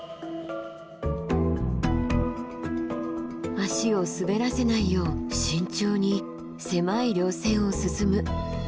足を滑らせないよう慎重に狭い稜線を進む。